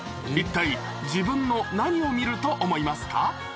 一体自分の何を見ると思いますか？